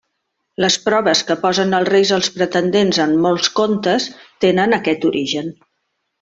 Les proves que posen els reis als pretendents en molts contes tenen aquest origen.